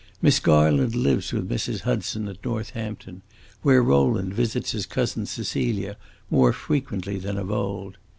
Miss Garland lives with Mrs. Hudson, at Northampton, where Rowland visits his cousin Cecilia more frequently than of old.